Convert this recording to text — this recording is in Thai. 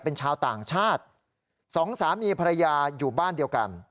เป็นชาวต่างชาติสองสามีภรรยาอยู่บ้านเดียวกัน